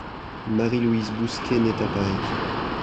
Marie-Louise Bousquet naît à Paris.